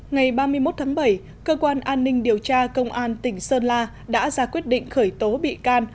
ngày ba mươi một tháng bảy cơ quan an ninh điều tra công an tỉnh sơn la đã ra quyết định khởi tố bị can